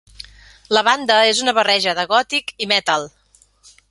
La banda és una barreja de gòtic i metal.